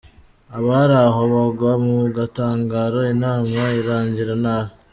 Abari aho bagwa mu gatangaro, inama irangira nabi.